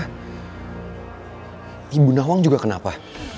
ibu nawang juga kenapa